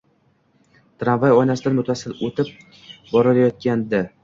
Tramvay oynasidan muttasil o’tib borayotgandi.